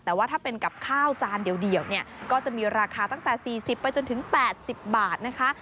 แต่ว่าถ้าเป็นกับข้าวจานเดียวเนี่ยก็จะมีราคาตั้งแต่๔๐ไปจนถึง๘๐บาทนะคะ